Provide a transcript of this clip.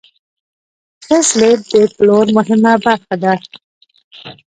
ښه سلیت د پلور مهمه برخه ده.